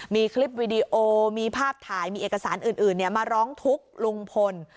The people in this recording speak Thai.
มีคลิปวิดีโอมีภาพถ่ายมีเอกสารอื่นมาร้องทุกข์ลุงพล